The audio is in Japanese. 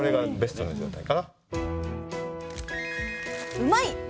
うまいッ！